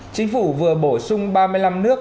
chính phủ vừa bổ sung ba mươi năm nước